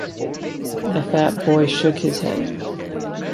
The fat boy shook his head.